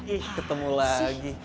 ih ketemu lagi